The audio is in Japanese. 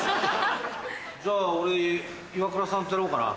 じゃあ俺イワクラさんとやろうかな。